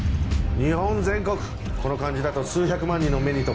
日本全国この感じだと数百万人の目に留まる。